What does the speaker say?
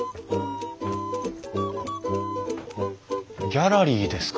ギャラリーですか！